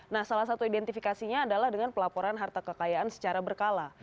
nah salah satu identifikasinya adalah dengan pelaporan harta kekayaan secara berkala